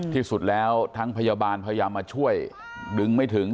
ที่สุดแล้วทั้งพยาบาลพยายามมาช่วยดึงไม่ถึง